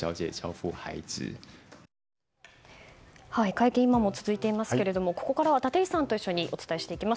会見、今も続いていますがここからは立石さんと一緒にお伝えしていきます。